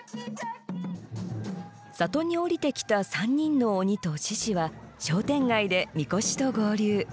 里に下りてきた３人の鬼とシシは商店街で神輿と合流。